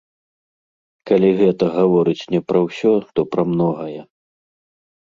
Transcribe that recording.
Калі гэта гаворыць не пра ўсё, то пра многае.